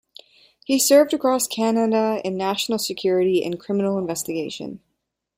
He served across Canada in national security and criminal investigation.